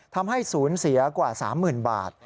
ทำให้ศูนย์เสียกว่า๓๐๐๐บาท